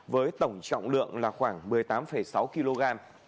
với tổng trọng lượng là khoảng một mươi tám sáu kg